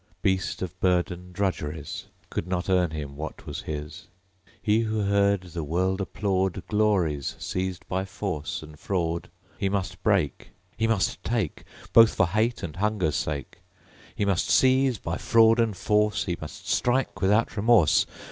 Beast of burden drudgeries Could not earn him what was his: He who heard the world applaud Glories seized by force and fraud, He must break, he must take! Both for hate and hunger's sake. He must seize by fraud and force; He must strike, without remorse!